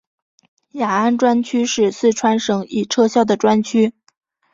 雅安专区是四川省已撤销的专区。